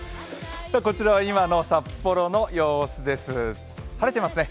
こちらは今の札幌の様子です晴れてますね。